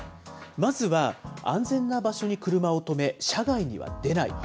まずは安全な場所に車を止め、車外には出ない。